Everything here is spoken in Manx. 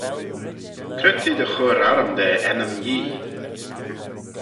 Cre t'eh dy chur arrym da ennym Yee?